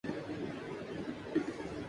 وہ جلدی میچ دیکھ رہی ہے۔